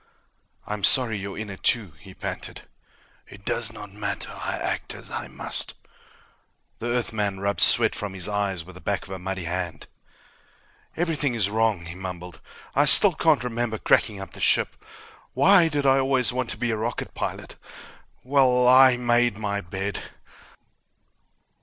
"I'm sorry you're in it, too," he panted. "It does not matter. I act as I must." The Earthman rubbed sweat from his eyes with the back of a muddy hand. "Everything is wrong," he mumbled. "I still can't remember cracking up the ship. Why did I always want to be a rocket pilot? Well ... I made my bed!"